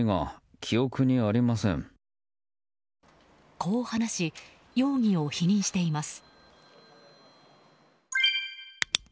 こう話し容疑を否認しています。